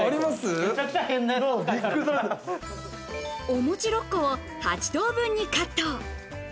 お餅６個を８等分にカット。